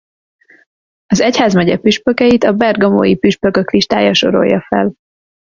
Az egyházmegye püspökeit a Bergamói püspökök listája sorolja fel.